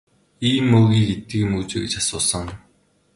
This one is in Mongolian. Ийм мөөгийг иддэг юм гэж үү гэж асуусан.